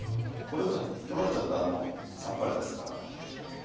これ取られちゃったらもうさっぱりですから。